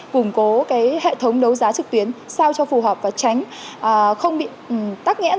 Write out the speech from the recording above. củng cố hệ thống đấu giá trực tuyến sao cho phù hợp và tránh không bị tắc nghẽn